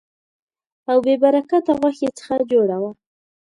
او بې برکته غوښې څخه جوړه وه.